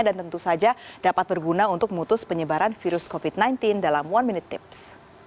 dan tentu saja dapat berguna untuk mutus penyebaran virus covid sembilan belas dalam one minute tips